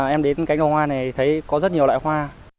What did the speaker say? em đến cánh đồng hoa này thấy có rất nhiều loài hoa